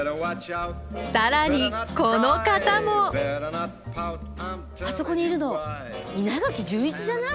更にこの方もあそこにいるの稲垣潤一じゃない？